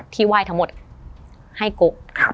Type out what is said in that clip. ที่ไหว้ทั้งหมดให้โก